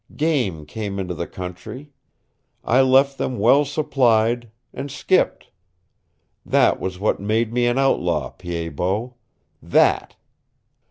Game came into the country I left them well supplied and skipped. That was what made me an outlaw, Pied Bot. That!"